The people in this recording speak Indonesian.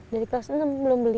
dari kelas enam belum beli